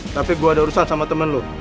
tapi gue ada urusan sama temen lu